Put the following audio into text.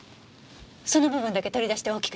その部分だけ取り出して大きくして。